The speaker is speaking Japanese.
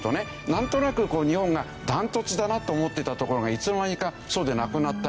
なんとなく日本がダントツだなと思ってたところがいつの間にかそうでなくなったり。